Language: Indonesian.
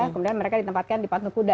kemudian mereka ditempatkan di patung kuda